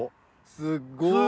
すっごい！